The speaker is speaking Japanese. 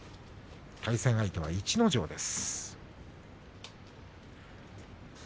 対戦相手が逸ノ城です。